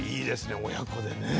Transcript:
親子でね。